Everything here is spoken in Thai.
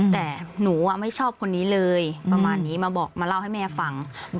แต่หนูไม่ชอบคนนี้เลยประมาณนี้มาบอกมาเล่าให้แม่ฟัง